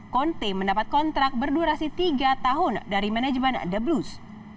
konte mendapat kontrak berdurasi tiga tahun dari manajemen the blues